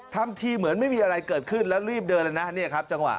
ทำทีเหมือนไม่มีอะไรเกิดขึ้นแล้วรีบเดินเลยนะเนี่ยครับจังหวะ